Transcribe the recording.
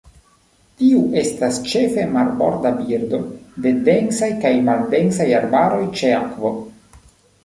Tiu estas ĉefe marborda birdo de densaj kaj maldensaj arbaroj ĉe akvo.